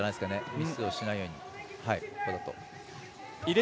ミスをしないように。